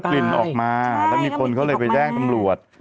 กลิ่นออกมาแล้วมีคนเขาเลยไปแจ้งตำรวจ